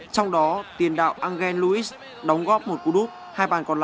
trong đó tiền đạo angel luis đóng góp một cú đúc